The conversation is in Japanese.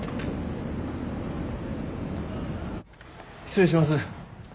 失礼します。